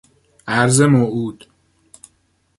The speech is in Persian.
ارض موعود